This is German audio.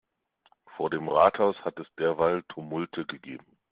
Vor dem Rathaus hat es derweil Tumulte gegeben.